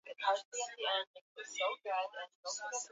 basi tunafurahi kuona umepata hamu ya kuja tena alisema afisa uhamiaji